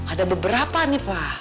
ada beberapa nih pa